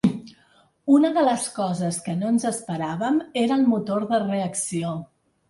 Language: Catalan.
Una de les coses que no ens esperàvem era el motor de reacció.